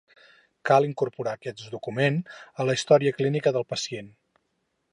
Cal incorporar aquest document a la història clínica del pacient.